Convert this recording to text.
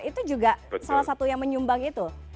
itu juga salah satu yang menyumbang itu